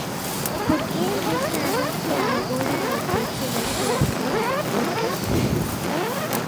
Por que Endesa anuncia agora o peche da súa central térmica?